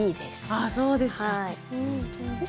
あそうですか。